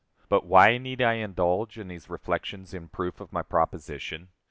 But why need I indulge in these reflections in proof of my proposition?